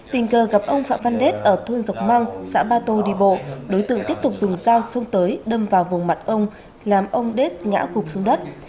tình cờ gặp ông phạm văn đết ở thôn dọc mang xã ba tô đi bộ đối tượng tiếp tục dùng dao xông tới đâm vào vùng mặt ông làm ông đết ngã gục xuống đất